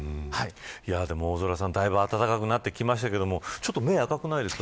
大空さん、だいぶ暖かくなってきましたがちょっと目が赤くないですか。